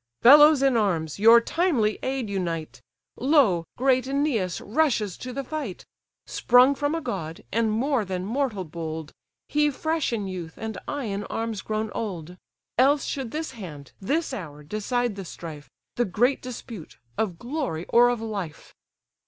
"Fellows in arms! your timely aid unite; Lo, great Æneas rushes to the fight: Sprung from a god, and more than mortal bold; He fresh in youth, and I in arms grown old. Else should this hand, this hour decide the strife, The great dispute, of glory, or of life."